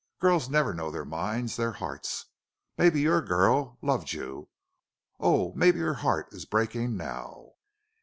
Girls never know their minds their hearts. Maybe your girl loved you!... Oh, maybe her heart is breaking now!"